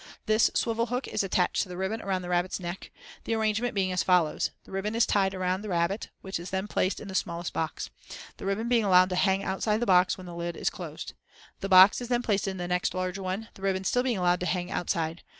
This swivel hook is attached to the ribbon round the rabbit's neck, the arrangement being as follows:—The ribbon is tied round the rabbit, which is then placed in the smallest box, the ribbon being allowed to hang outside the box when the lid is closed. The box is then placed in the next larger one, the ribbon still being allowed to hang outside.